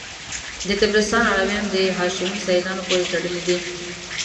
د طبرستان علویان د هاشمي سیدانو پوري تړلي دي.